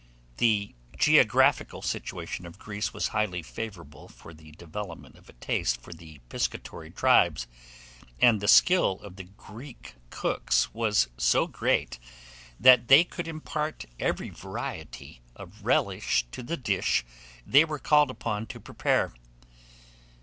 THE GEOGRAPHICAL SITUATION OF GREECE was highly favourable for the development of a taste for the piscatory tribes; and the skill of the Greek cooks was so great, that they could impart every variety of relish to the dish they were called upon to prepare.